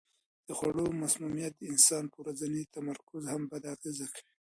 د خوړو مسمومیت د انسان پر ورځني تمرکز هم بد اغېز کوي.